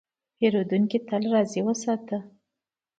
پیرودونکی تل راضي وساته.